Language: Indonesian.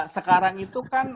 sekarang itu kan